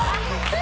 え！？